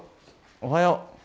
おはよう。